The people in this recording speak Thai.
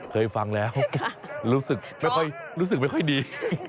เคยฟังแล้วรู้สึกไม่ค่อยดี